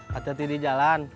hati hati di jalan